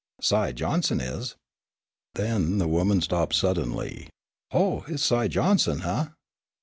"Si Johnson is " Then the woman stopped suddenly. "Oh, hit's Si Johnson? Huh!"